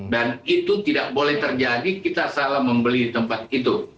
dan itu tidak boleh terjadi kita salah membeli tempat itu